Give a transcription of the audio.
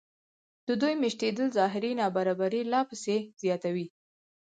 د دوی مېشتېدل ظاهري نابرابري لا پسې زیاتوي